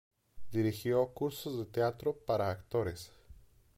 Dirigió cursos de teatro para actores.